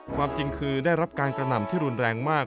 ความจริงคือได้รับการกระหน่ำที่รุนแรงมาก